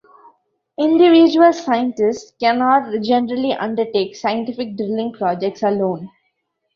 Individual scientists cannot generally undertake scientific drilling projects alone.